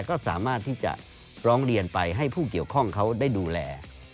ก็สามารถที่จะร้องเรียนไปให้ผู้เกี่ยวข้องเขาได้ดูแล